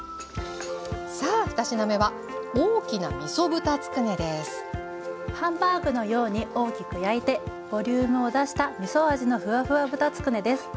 さあ２品目はハンバーグのように大きく焼いてボリュームを出したみそ味のふわふわ豚つくねです。